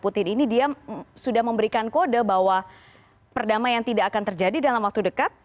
putin ini dia sudah memberikan kode bahwa perdamaian tidak akan terjadi dalam waktu dekat